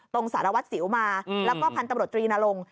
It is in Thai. สารวัตรสิวมาแล้วก็พันธุ์ตำรวจตรีนรงค